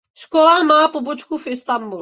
Škola má pobočku v Istanbulu.